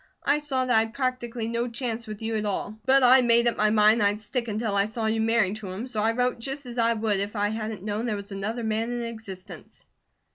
I saw that I'd practically no chance with you at all; but I made up my mind I'd stick until I saw you marry him, so I wrote just as I would if I hadn't known there was another man in existence."